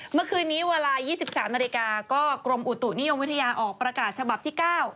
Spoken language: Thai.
เมื่อคืนนี้เวลา๒๓นาฬิกาก็กรมอุตุนิยมวิทยาออกประกาศฉบับที่๙